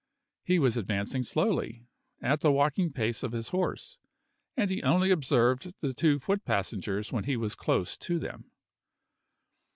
He was advancing slowly, at the walking pace of his horse, and he only observed the two foot passengers when he was close to them.